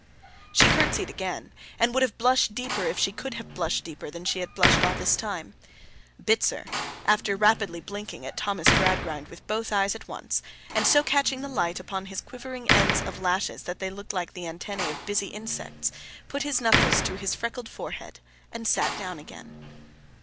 She curtseyed again, and would have blushed deeper, if she could have blushed deeper than she had blushed all this time. Bitzer, after rapidly blinking at Thomas Gradgrind with both eyes at once, and so catching the light upon his quivering ends of lashes that they looked like the antennæ of busy insects, put his knuckles to his freckled forehead, and sat down again.